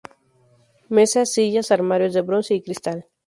Mesas, sillas, armarios de bronce y cristal.